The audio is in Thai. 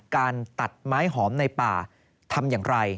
การตัดไม้หอมในป่าทำอย่างไร